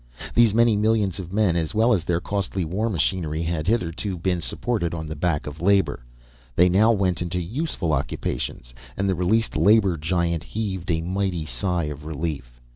These many millions of men, as well as their costly war machinery, had hitherto been supported on the back of labour. They now went into useful occupations, and the released labour giant heaved a mighty sigh of relief.